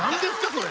それ。